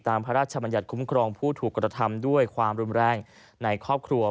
พระราชบัญญัติคุ้มครองผู้ถูกกระทำด้วยความรุนแรงในครอบครัว